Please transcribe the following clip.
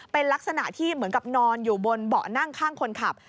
เป็นลักษณะที่เหมือนกับนอนอยู่บนเบาะนั่งข้างคนขับ